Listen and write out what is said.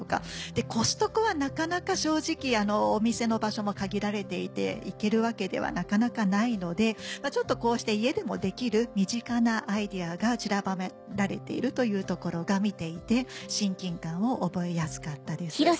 コストコはなかなか正直お店の場所も限られていて行けるわけではなかなかないのでこうして家でもできる身近なアイデアがちりばめられているというところが見ていて親近感を覚えやすかったです。